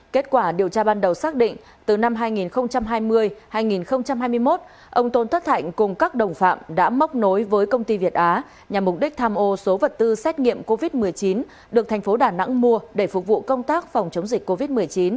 kết quả điều tra ban đầu xác định từ năm hai nghìn hai mươi hai nghìn hai mươi một ông tôn thất thạnh cùng các đồng phạm đã móc nối với công ty việt á nhằm mục đích tham ô số vật tư xét nghiệm covid một mươi chín được thành phố đà nẵng mua để phục vụ công tác phòng chống dịch covid một mươi chín